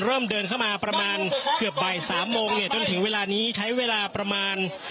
เริ่มเดินเข้ามาประมาณเกือบบ่ายสามโมงเนี่ยจนถึงเวลานี้ใช้เวลาประมาณ